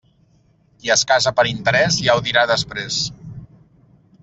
Qui es casa per interés ja ho dirà després.